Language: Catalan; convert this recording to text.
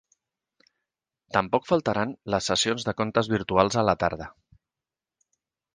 Tampoc faltaran les sessions de contes virtuals a la tarda.